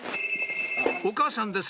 お母さんです